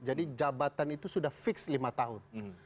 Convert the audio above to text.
jadi jabatan itu sudah fixed lima tahun